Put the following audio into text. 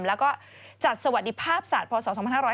แล้วก็จัดสวัสดิภาพศาสตร์พศ๒๕๕๙